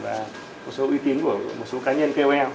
và một số uy tín của một số cá nhân kol